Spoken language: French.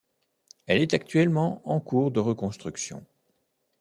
Elle est actuellement en cours de reconstruction.